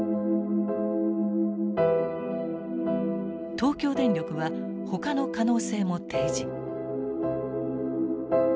東京電力はほかの可能性も提示。